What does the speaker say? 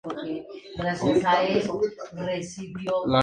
Su expresividad y realismo es lo que invariablemente distinguen sus piezas.